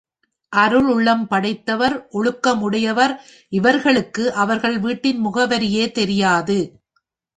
அருள் உள்ளம் படைத்தவர், ஒழுக்கம் உடையவர் இவர்களுக்கு அவர்கள் வீட்டின் முகவரியே தெரியாது.